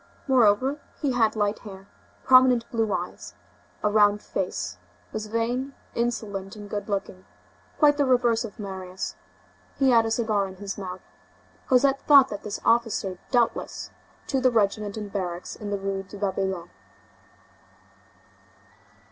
Moreover, he had light hair, prominent blue eyes, a round face, was vain, insolent and good looking; quite the reverse of Marius. He had a cigar in his mouth. Cosette thought that this officer doubtless belonged to the regiment in barracks in the Rue de Babylone.